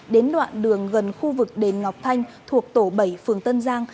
đến đoạn đường gần khu vực đền ngọc thanh thuộc tổ bảy phường tân giang